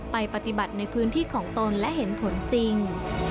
ไปปฏิบัติในพื้นที่ของตนและเห็นผลจริง